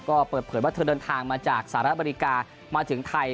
ก็เปิดเผยว่าเธอเดินทางมาจากสหรัฐอเมริกามาถึงไทย